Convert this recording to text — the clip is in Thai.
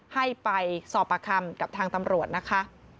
ให้ไปสอบประคำกับทางตำรวจนะคะ